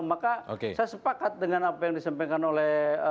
maka saya sepakat dengan apa yang disampaikan oleh